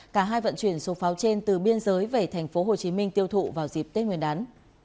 cả hai vận chuyển số pháo trên từ biên giới về tp hcm tiêu thụ vào dịp tết nguyên đán